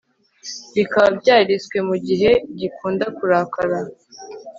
bikaba byariswe mugihe gikunda kurakara